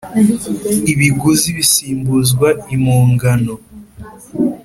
ibiguzi bisimbuzwa impongano.